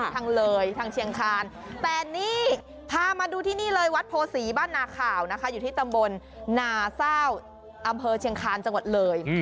ทางเลยทางเชียงคานแต่นี่พามาดูที่นี่เลยวัดโพศีบ้านนาข่าวนะคะอยู่ที่ตำบลนาเศร้าอำเภอเชียงคาญจังหวัดเลย